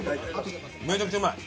めちゃくちゃうまい。